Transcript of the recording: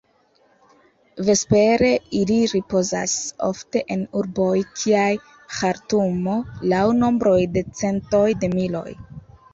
Vespere ili ripozas, ofte en urboj kiaj Ĥartumo, laŭ nombroj de centoj de miloj.